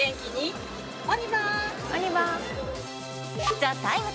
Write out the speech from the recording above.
「ＴＨＥＴＩＭＥ，」